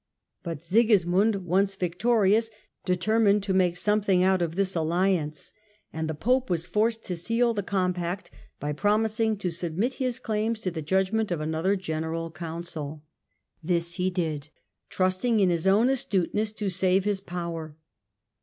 But Sigismund, once victorious, determined to make something out of this alliance, and the Pope was forced to seal the compact by promising to submit his claims to the judgment of another General Council. This he did, trusting to his own astuteness to save his power.